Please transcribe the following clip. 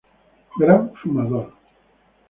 Gran fumador.